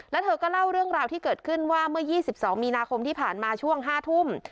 แล้วเธอก็เล่าเรื่องราวที่เกิดขึ้นว่าเมื่อ๒๒มีนาคมที่ผ่านมาช่วง๕ทุ่ม